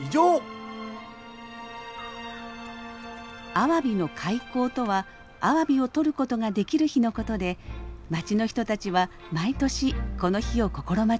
アワビの開口とはアワビをとることができる日のことで町の人たちは毎年この日を心待ちにしています。